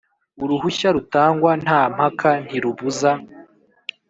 Uruhushya rutangwa nta mpaka ntirubuza